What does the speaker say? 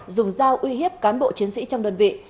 dùng dao uy hiếp cán bộ chiến sĩ trong đơn vị